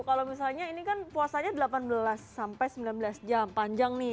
kalau misalnya ini kan puasanya delapan belas sembilan belas jam panjang nih